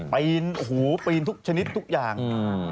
ไปยินทุกชนิดทุกอย่าง